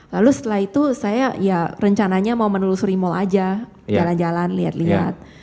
lalu setelah itu saya ya rencananya mau menelusuri mal aja jalan jalan lihat lihat